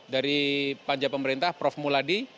dari panja pemerintah prof muladi